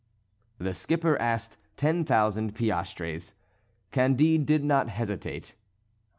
The skipper asked ten thousand piastres. Candide did not hesitate.